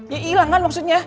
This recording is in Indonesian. ya ilang kan maksudnya